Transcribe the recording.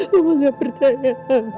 mama gak percaya